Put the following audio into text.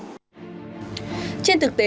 trên thực tế rất nhiều